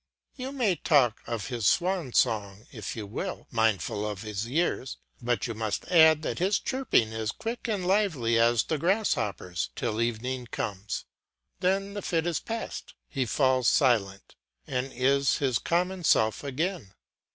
You may talk of his swan song if you will, mindful of his years; but you must add that his chirping is quick and lively as the grasshopper's, till evening comes; then the fit is past; he falls silent, and is his common self again.